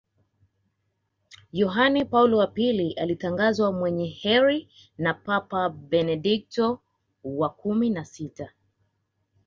yohane paulo wa pili alitangazwa mwenye kheri na papa benedikto wa kumi na sita